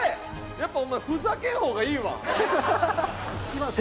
やっぱお前ふざけん方がいいわ。えっ？